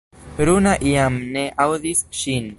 Runa jam ne aŭdis ŝin.